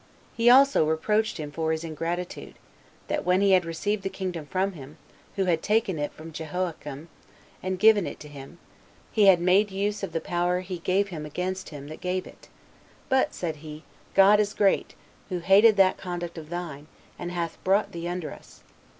He also reproached him for his ingratitude, that when he had received the kingdom from him, who had taken it from Jehoiachin, and given it to him, he had made use of the power he gave him against him that gave it; "but," said he, "God is great, who hated that conduct of thine, and hath brought thee under us."